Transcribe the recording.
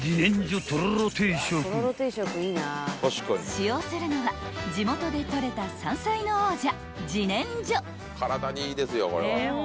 ［使用するのは地元でとれた山菜の王者］